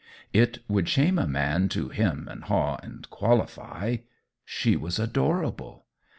It would shame a man to 'hem and haw and qualify. She was adorable.